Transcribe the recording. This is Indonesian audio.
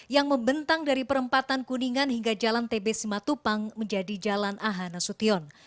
yang membentang dari perempatan kuningan hingga jalan tb simatupang menjadi jalan ahanasution